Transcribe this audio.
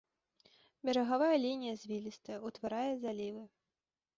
Берагавая лінія звілістая, утварае залівы.